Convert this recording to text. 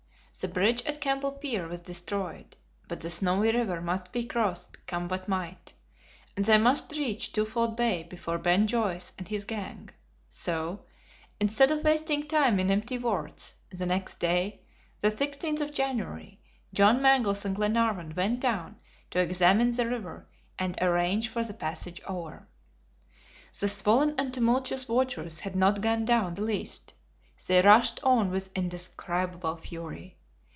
The bridge at Kemple Pier was destroyed, but the Snowy River must be crossed, come what might, and they must reach Twofold Bay before Ben Joyce and his gang, so, instead of wasting time in empty words, the next day (the 16th of January) John Mangles and Glenarvan went down to examine the river, and arrange for the passage over. The swollen and tumultuous waters had not gone down the least. They rushed on with indescribable fury.